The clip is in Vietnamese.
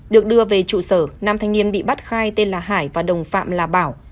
được đưa về trụ sở nam thanh niên bị bắt khai tên là hải và đồng phạm là bảo